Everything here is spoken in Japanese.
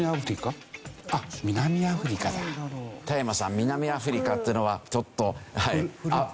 南アフリカっていうのはちょっと。